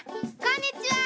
こんにちは！